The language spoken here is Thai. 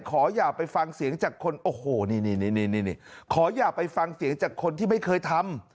อย่าไปฟังเสียงจากคนโอ้โหนี่ขออย่าไปฟังเสียงจากคนที่ไม่เคยทำ